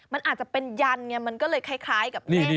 มันอาจจะเป็นยันเนี่ยมันก็เลยคล้ายกับแน่